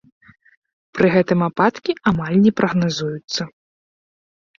Пры гэтым ападкі амаль не прагназуюцца.